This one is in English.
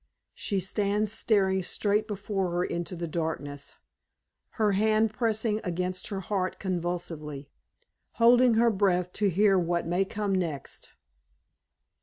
She stands staring straight before her into the darkness, her hand pressing against her heart convulsively, holding her breath to hear what may come next.